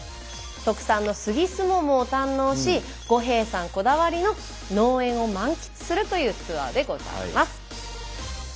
特産の杉すももを堪能し五兵衛さんこだわりの農園を満喫するというツアーでございます。